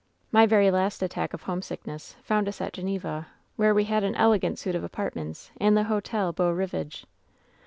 "My very last attack of homesickness found us at *^ Geneva, where we had an elegant suit of apartments in the Hotel Beau Rivage.